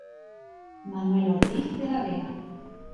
Manuel Ortiz de la Vega.